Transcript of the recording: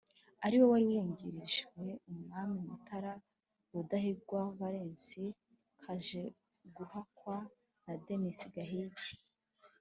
ari we wari wungirijeumwami Mutara RudahigwaValens Kajeguhakwa na Denis Gahigi: